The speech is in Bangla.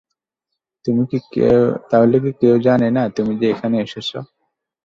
তাহলে কী কেউ জানে না তুমি যে এখানে এসেছো?